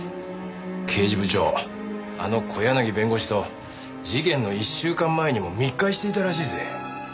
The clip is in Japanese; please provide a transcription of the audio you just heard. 刑事部長あの小柳弁護士と事件の１週間前にも密会していたらしいぜ。